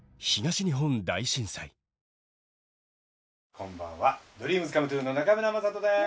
こんばんはＤＲＥＡＭＳＣＯＭＥＴＲＵＥの中村正人です。